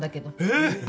えっ！？